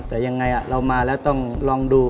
แต่ยังไงเรามาแล้วต้องลองดู